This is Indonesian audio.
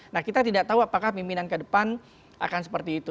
nah kita tidak tahu apakah pimpinan ke depan akan seperti itu